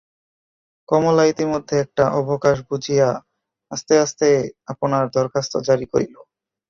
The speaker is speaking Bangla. কমলা ইতিমধ্যে একটা অবকাশ বুঝিয়া আস্তে আস্তে আপনার দরখাস্ত জারি করিল।